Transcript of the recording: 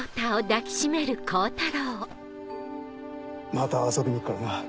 また遊びに行くからな。